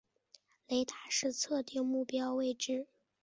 雷达是测定目标位置的无线电装置或系统。